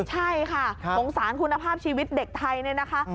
ใช่ค่ะสงสารคุณภาพชีวิตเด็กไทยเนี่ยนะคะ